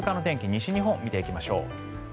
西日本を見ていきましょう。